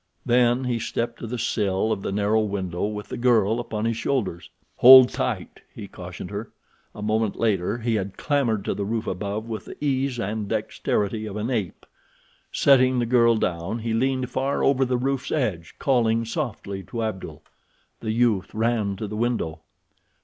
Then he stepped to the sill of the narrow window with the girl upon his shoulders. "Hold tight," he cautioned her. A moment later he had clambered to the roof above with the ease and dexterity of an ape. Setting the girl down, he leaned far over the roof's edge, calling softly to Abdul. The youth ran to the window.